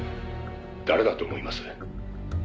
「誰だと思います？」